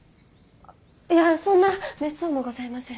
いやそんなめっそうもございません。